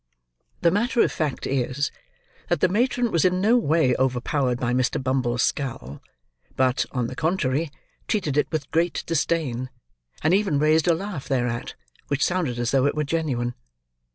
The matter of fact, is, that the matron was in no way overpowered by Mr. Bumble's scowl, but, on the contrary, treated it with great disdain, and even raised a laugh thereat, which sounded as though it were genuine.